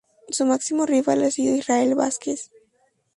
Su máximo rival ha sido Israel Vázquez.